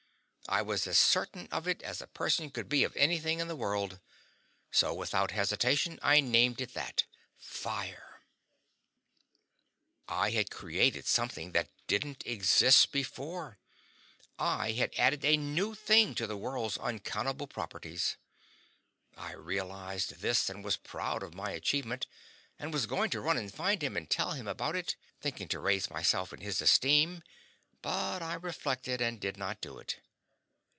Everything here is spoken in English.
I was as certain of it as a person could be of anything in the world. So without hesitation I named it that fire. I had created something that didn't exist before; I had added a new thing to the world's uncountable properties; I realized this, and was proud of my achievement, and was going to run and find him and tell him about it, thinking to raise myself in his esteem but I reflected, and did not do it.